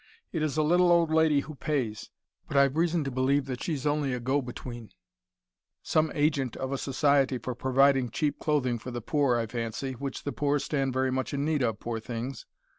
It is a little old lady who pays but I've reason to believe that she's only a go between some agent of a society for providing cheap clothing for the poor, I fancy, which the poor stand very much in need of, poor things!